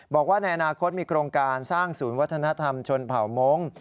บอกว่าในอนาคตมีโครงการสร้างศูนย์วัฒนธรรมชนเผ่ามงค์